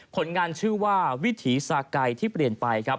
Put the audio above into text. ผลงานชื่อว่าวิถีซากัยที่เปลี่ยนไป